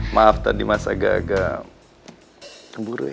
maaf tadi mas agak agak cemburu ya